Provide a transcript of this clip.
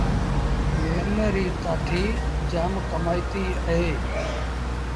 نم ريٚ ڪآٺيٚ جآم ڪمآئيٚتيٚ اهي۔